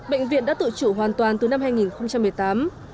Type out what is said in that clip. bệnh viện đã tự chủ hoàn toàn từ năm hai nghìn một mươi tám